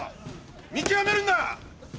見極めるんだ！